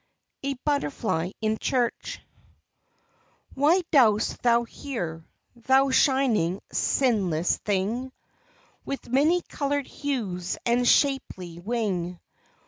A BUTTERFLY IN CHURCH What dost thou here, thou shining, sinless thing, With many colored hues and shapely wing?